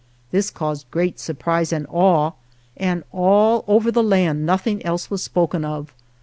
This caused great sur prise and awe, and all over the land noth ing else was spoken of.